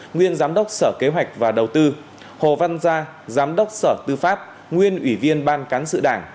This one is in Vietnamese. nguyên giám đốc sở kế hoạch và đầu tư hồ văn gia giám đốc sở tư pháp nguyên ủy viên ban cán sự đảng